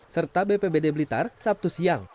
serta bp bd blitar sabtu siang